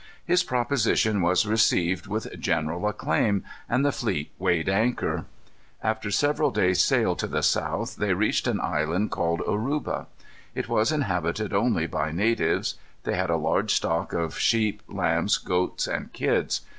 His proposition was received with general acclaim, and the fleet weighed anchor. After several days' sail to the south, they reached an island called Oruba. It was inhabited only by natives. They had a large stock of sheep, lambs, goats, and kids.